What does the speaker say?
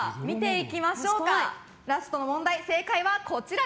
ラストの問題、正解はこちら。